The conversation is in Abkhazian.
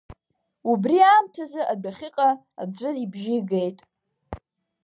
Убри аамҭазы адәахьыҟа аӡәы ибжьы геит.